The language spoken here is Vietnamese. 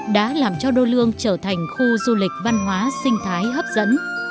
đã làm cho đô lương trở thành khu du lịch văn hóa sinh thái hấp dẫn